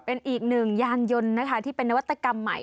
เป็นอีกหนึ่งยานยนต์นะคะที่เป็นนวัตกรรมใหม่